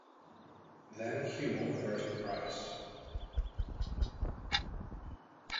Then he won first prize.